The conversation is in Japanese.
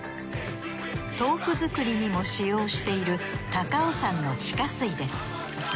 豆腐作りにも使用している高尾山の地下水です。